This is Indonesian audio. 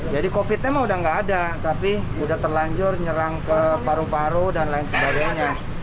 jadi covid sembilan belas emang udah ga ada tapi udah terlanjur nyerang ke paru paru dan lain sebagainya